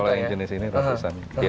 kalau yang jenis ini ratusan